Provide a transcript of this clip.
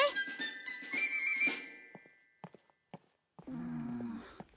うん。